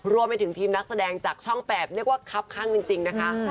รวมไปถึงทีมนักแสดงจากช่อง๘เรียกว่าครับข้างจริงนะคะ